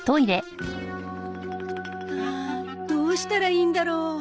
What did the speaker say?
ハァどうしたらいいんだろう？